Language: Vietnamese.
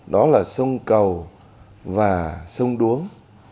đó là sông cầu và sông đuống